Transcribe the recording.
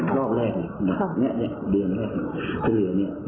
รอบแรกไหนเนี้ยเดือนแรก